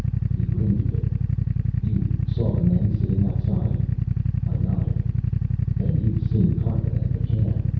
He grinned a bit. "You saw the men sitting outside?" I nodded. "Then you've seen Karpin and McCann.